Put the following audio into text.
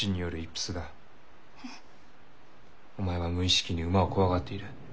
お前は無意識に馬を怖がっている。